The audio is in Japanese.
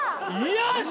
よし！